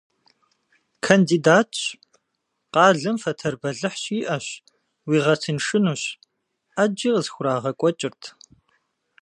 Кандидатщ, къалэм фэтэр бэлыхь щиӏэщ, уигъэтыншынущ — ӏэджи къысхурагъэкӏуэкӏырт.